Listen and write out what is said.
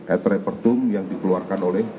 etrepertum yang dikeluarkan oleh